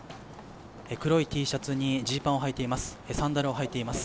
黒いＴシャツにジーパンをはいています。